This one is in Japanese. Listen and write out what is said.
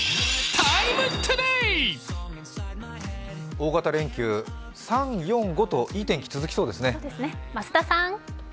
大型連休、３、４、５といい天気、続きそうですね。